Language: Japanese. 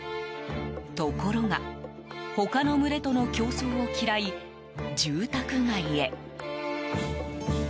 ところが他の群れとの競争を嫌い住宅街へ。